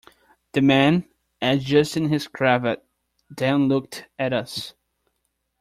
The man, adjusting his cravat, then looked at us.